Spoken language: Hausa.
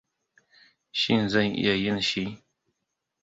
Shin zan iya yin shi?